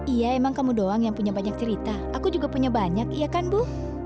iya emang kamu doang yang punya banyak cerita aku juga punya banyak iya kan bu